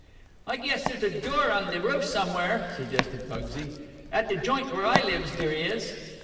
"I guess there's a door on to de roof somewhere," suggested Pugsy. "At de joint where I lives dere is."